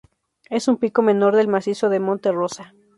Es un pico menor del macizo de Monte Rosa.